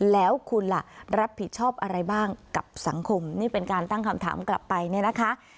แล้วคุณล่ะรับผิดชอบอะไรบ้างกับสังคมนี่เป็นการตั้งคำถามกลับไปเนี่ยนะคะ